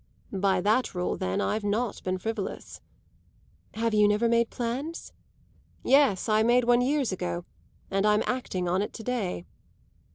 "By that rule then, I've not been frivolous." "Have you never made plans?" "Yes, I made one years ago, and I'm acting on it to day."